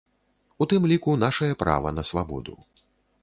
У тым ліку, нашае права на свабоду.